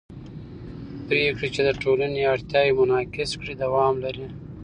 پرېکړې چې د ټولنې اړتیاوې منعکس کړي دوام لري